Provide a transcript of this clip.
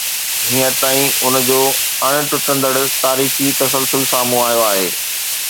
هينئر تائين ان جو اڻ ٽٽندڙ تاريخي تسلسل سامهون آيو آهي.